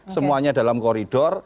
semuanya dalam koridor